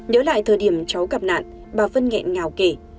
nhớ lại thời điểm cháu gặp nạn bà phân nghẹn ngào kể